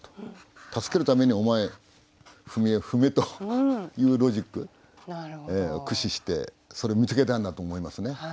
助けるためにお前踏絵踏めというロジック駆使してそれ見つけたんだと思いますね。